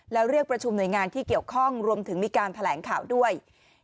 แล้วเรียกประชุมหน่วยงานที่เกี่ยวข้องรวมถึงมีการแถลงข่าวด้วย